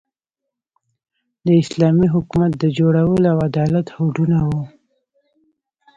د اسلامي حکومت د جوړولو او عدالت هوډونه وو.